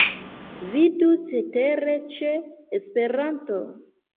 Vidu cetere ĉe Esperanto.